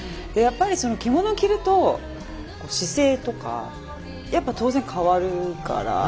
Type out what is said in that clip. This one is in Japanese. やっぱりその着物を着ると姿勢とかやっぱ当然変わるから。